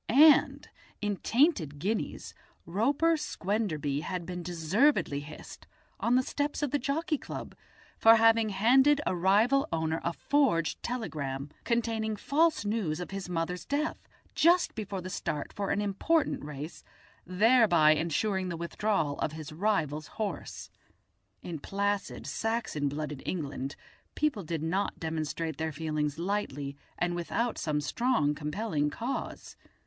And in Tainted Guineas Roper Squenderby had been deservedly hissed, on the steps of the Jockey Club, for having handed a rival owner a forged telegram, containing false news of his mother's death, just before the start for an important race, thereby ensuring the withdrawal of his rival's horse. In placid Saxon blooded England people did not demonstrate their feelings lightly and without some strong compelling cause.